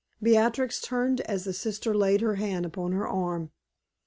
Beatrix turned as the sister laid her hand upon her arm.